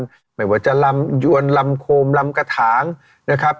ไม่ว่าจะลำยวนลำโคมลำกระถางนะครับ